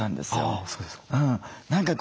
あそうですか。